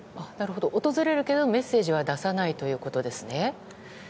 訪れるけど、メッセージは出さないということですね。